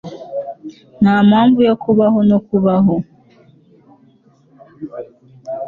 nta mpamvu yo kubaho no kubaho